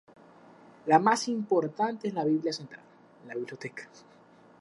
La más importante es la Biblioteca Central.